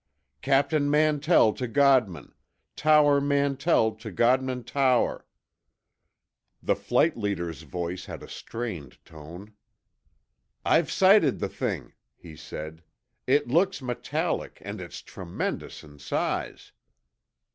"Captain Mantell to Godman ... Tower Mantell to Godman Tower ..." The flight leader's voice had a strained tone. "I've sighted the thing!" he said. "It looks metallic—and it's tremendous in size!"